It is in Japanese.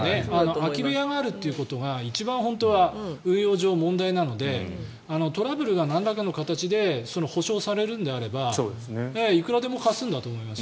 空き部屋があるということが一番本当は運用上問題なのでトラブルがなんらかの形で保証されるのであればいくらでも貸すんだと思います。